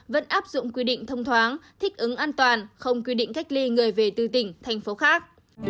vẫn áp dụng quy định thông thoáng thích ứng an toàn không quy định cách ly người về từ tỉnh thành phố khác